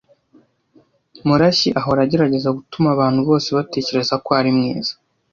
Murashyi ahora agerageza gutuma abantu bose batekereza ko ari mwiza.